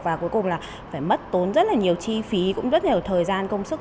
và cuối cùng là phải mất tốn rất là nhiều chi phí cũng rất là nhiều thời gian công sức